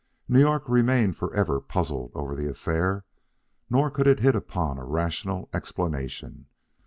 New York remained forever puzzled over the affair; nor could it hit upon a rational explanation.